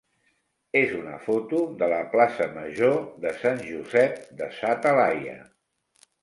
és una foto de la plaça major de Sant Josep de sa Talaia.